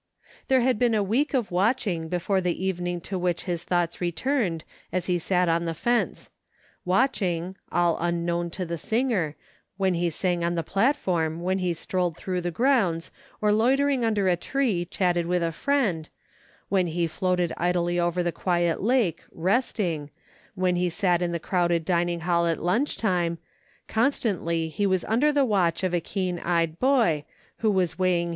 There had been a week of watching before the evening to which his thoughts returned as he sat on the fence ; watching, all unknown to the singer ; when he sang on the platform, when he strolled through the grounds, or loitering under a tree chatted with a friend, when he floated idly over the quiet lake, resting, when he sat in the crowded dining hall at lunch time, constantly he was under the watch of a keen eyed boy, who was weighing OPPORTUNITY.